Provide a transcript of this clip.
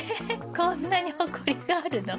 こんなにホコリがあるの？